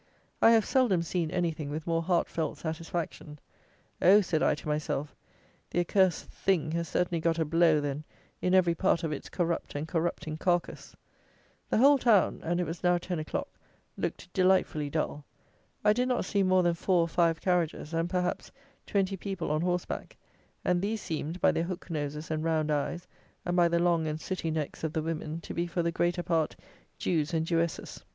I have seldom seen anything with more heartfelt satisfaction. "Oh!" said I to myself, "the accursed THING has certainly got a blow, then, in every part of its corrupt and corrupting carcass!" The whole town (and it was now ten o'clock) looked delightfully dull. I did not see more than four or five carriages, and, perhaps, twenty people on horse back; and these seemed, by their hook noses and round eyes, and by the long and sooty necks of the women, to be, for the greater part, Jews and Jewesses.